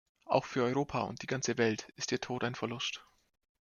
Auch für Europa und die ganze Welt ist ihr Tod ein Verlust.